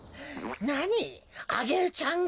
なにアゲルちゃんが？